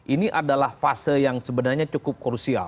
ini adalah fase yang sebenarnya cukup krusial